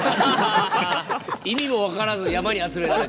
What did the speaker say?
意味も分からず山に集められて。